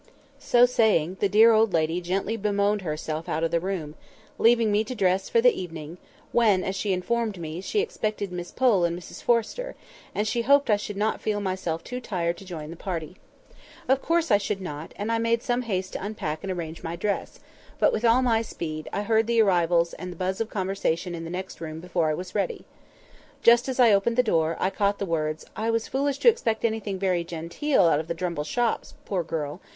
So saying, the dear old lady gently bemoaned herself out of the room, leaving me to dress for the evening, when, as she informed me, she expected Miss Pole and Mrs Forrester, and she hoped I should not feel myself too much tired to join the party. Of course I should not; and I made some haste to unpack and arrange my dress; but, with all my speed, I heard the arrivals and the buzz of conversation in the next room before I was ready. Just as I opened the door, I caught the words, "I was foolish to expect anything very genteel out of the Drumble shops; poor girl!